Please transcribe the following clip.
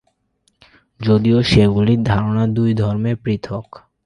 যদিও সেগুলির ধারণা দুই ধর্মে পৃথক।